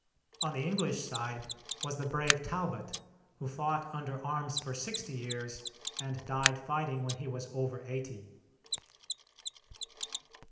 On the English side was the brave Talbot, who fought under arms for sixty years, and died fighting when he was over eighty.